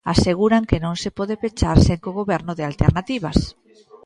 Aseguran que non se pode pechar sen que o Goberno dea alternativas.